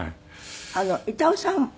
板尾さんも。